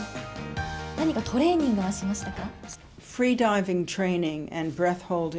何かトレーニングはしましたか？